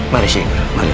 mari sheikh guru mari